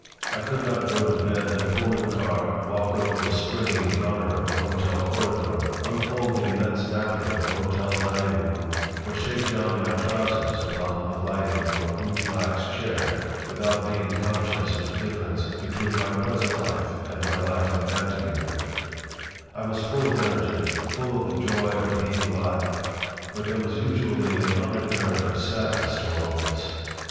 I could not go to bed in a Pullman car, walk over the springy "runner" of a hotel corridor, unfold the immense napkin of a hotel dining room, or shake down my trousers upon alighting from a boot black's chair, without being conscious of the difference between my present life and my life in Antomir I was full of energy, full of the joy of being alive, but there was usually an undercurrent of sadness to all this.